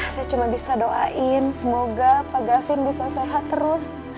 saya cuma bisa doain semoga pak gavin bisa sehat terus